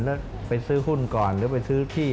แล้วไปซื้อหุ้นก่อนหรือไปซื้อที่